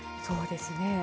そうですね。